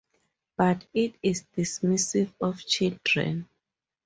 But it is dismissive of children.